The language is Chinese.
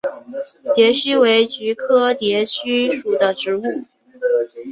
蝶须为菊科蝶须属的植物。